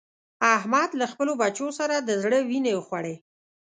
احمد له خپلو بچو سره د زړه وينې وخوړې.